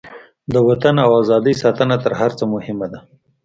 د وطن او ازادۍ ساتنه تر هر څه مهمه ده.